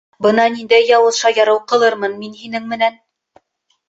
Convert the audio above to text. Бына ниндәй яуыз шаярыу ҡылырмын мин һинең менән.